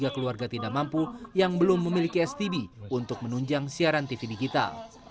tujuh ratus sembilan puluh tiga keluarga tidak mampu yang belum memiliki stb untuk menunjang siaran tv digital